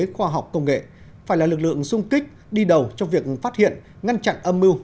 khoa học công nghệ phải là lực lượng sung kích đi đầu trong việc phát hiện ngăn chặn âm mưu